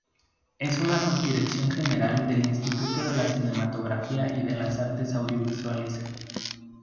Es una Subdirección General del Instituto de la Cinematografía y de las Artes Audiovisuales.